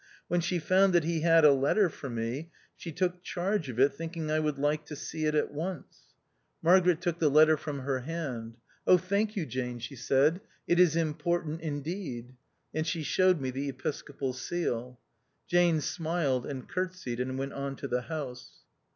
When she found that he had a letter for me, she took charge of it, thinking I would like to see it at once. THE OUTCAST. 123 Margaret took the letter from her hand. " thank you, Jane," she said, " it is im portant indeed !" And she showed me the episcopal seal. Jane smiled and curtseyed, and went on to the house.